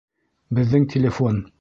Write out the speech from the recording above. Беҙҙең телефон.